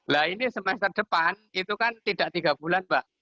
nah ini semester depan itu kan tidak tiga bulan pak